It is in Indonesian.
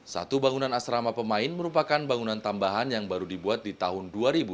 satu bangunan asrama pemain merupakan bangunan tambahan yang baru dibuat di tahun dua ribu dua puluh